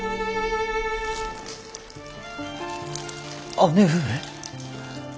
姉上。